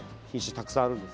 たくさんあるんです。